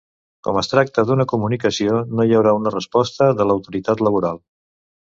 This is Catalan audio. Com es tracta d'una comunicació no hi haurà una resposta de l'Autoritat Laboral.